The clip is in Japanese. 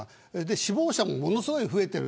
死亡者もものすごい増えてる。